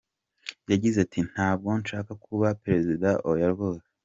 Yagize ati “Ntabwo nshaka kuba Perezida, oya rwose.